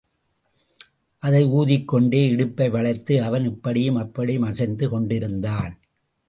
அதை ஊதிக்கொண்டே இடுப்பை வளைத்து அவன் இப்படியும் அப்படியும் அசைந்து கொண்டிருந்தான்.